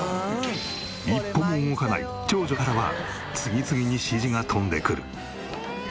一歩も動かない長女からは次々に指示が飛んでくる。